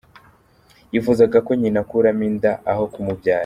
Yifuzaga ko nyina akuramo inda ye aho kumubyara